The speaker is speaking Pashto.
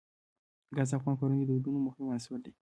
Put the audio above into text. ګاز د افغان کورنیو د دودونو مهم عنصر دی.